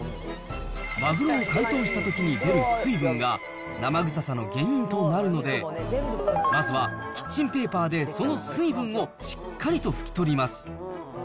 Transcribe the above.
マグロを解凍したときに出る水分が生臭さの原因となるので、まずはキッチンペーパーでその水分をしっかりと拭き取ります。